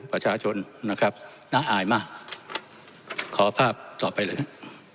ประชาชนนะครับน่าอายมากขอภาพต่อไปเลย